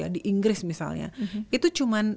di inggris misalnya itu cuma